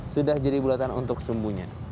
sudah jadi bulatan untuk sumbunya